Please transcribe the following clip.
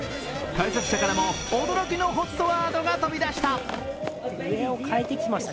解説者からも、驚きのＨＯＴワードが飛び出した。